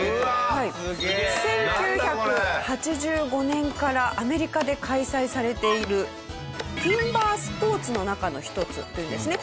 １９８５年からアメリカで開催されているティンバースポーツの中の一つというですね。